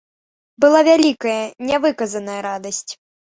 Была вялікая, нявыказаная радасць.